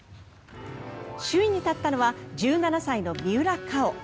首位に立ったのは１７歳の三浦佳生。